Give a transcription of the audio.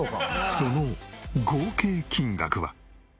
その合計金額は。